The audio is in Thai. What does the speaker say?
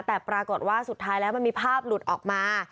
แต่ปรากฏว่าสุดท้ายแล้วมันมีภาพหลุดออกมา